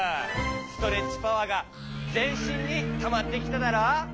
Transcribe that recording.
ストレッチパワーがぜんしんにたまってきただろ！